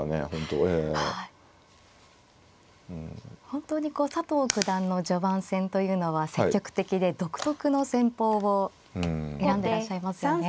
本当にこう佐藤九段の序盤戦というのは積極的で独特の戦法を選んでらっしゃいますよね。